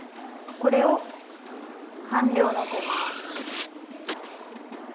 これを半量載せます。